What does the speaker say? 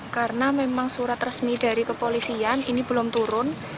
karena memang surat resmi dari kepolisian ini belum turun